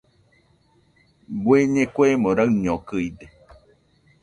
Bueñe kuemo raiñokɨide